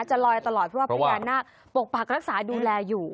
จะลอยตลอดเพราะว่าพญานาคปกปักรักษาดูแลอยู่